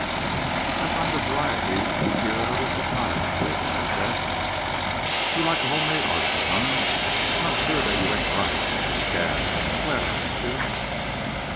"I find the variety here a little exotic," Jacob confessed. "You like the homemade article, eh? Not sure that you ain't right. Gad, I'm glad I met you!"